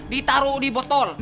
ditaruh di botol